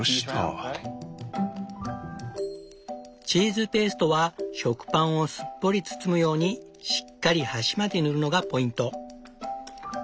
チーズペーストは食パンをすっぽり包むようにしっかり端まで塗るのがポイント。